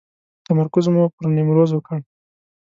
تمرکز مو پر نیمروز وکړ.